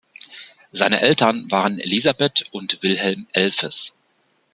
Seine Eltern waren Elisabeth und Wilhelm Elfes.